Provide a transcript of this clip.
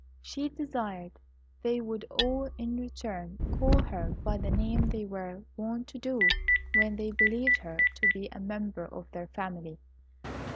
She desired they would all, in return, call her by the name they were wont to do when they believed her to be a member of their family.